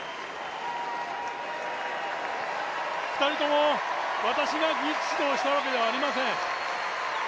２人とも、私が技術指導したわけではありません。